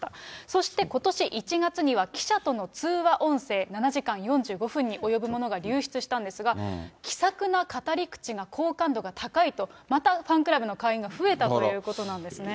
そしてことし１月には記者との通話音声７時間４５分に及ぶものが流出したんですが、気さくな語り口が好感度が高いと、またファンクラブの会員が増えたということなんですね。